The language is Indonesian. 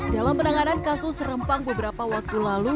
dalam penanganan kasus rempang beberapa waktu lalu